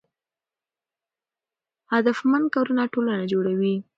هدفمند کارونه ټولنه جوړوي.